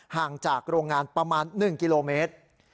ห่างจากโรงงานประมาณ๑กิโลเมตร